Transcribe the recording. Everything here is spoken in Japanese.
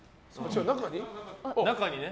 中にね。